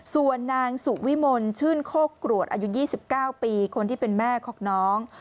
ส่วนนางสุวิมลชื่นโคกรวดอายุ๒๙ปีคนที่เป็นแม่ของน้อง